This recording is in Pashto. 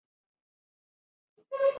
بلکې د سولیز او علمي روش نوم دی.